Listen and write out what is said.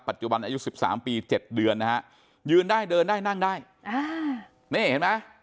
ปัจจุบันอายุ๑๓ปี๗เดือนนะฮะยืนได้เดินได้นั่งได้นี่เห็นไหม